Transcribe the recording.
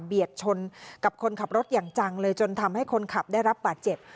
ชนกับคนขับรถอย่างจังเลยจนทำให้คนขับได้รับบาดเจ็บ